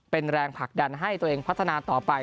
เป็นแรงผลักดันให้ตัวเองพัฒนาต่อไป